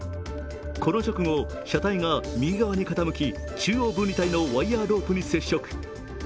この直後、車体が右側に傾き中央分離帯のワイヤーロープに接触。